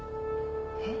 えっ？